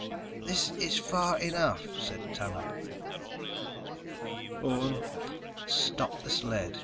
_ "This is far enough," said Tanub. Orne stopped the sled.